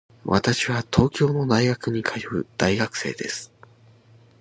私は東京の大学に通う大学生です。